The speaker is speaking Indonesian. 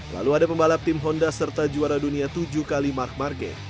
lalu ada pembalap tim honda serta juara dunia tujuh kali mark marque